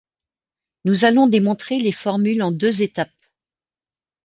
Nous allons démontrer les formules en deux étapes.